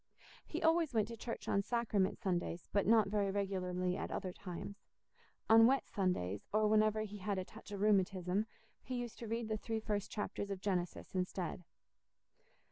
He always went to church on Sacrament Sundays, but not very regularly at other times; on wet Sundays, or whenever he had a touch of rheumatism, he used to read the three first chapters of Genesis instead.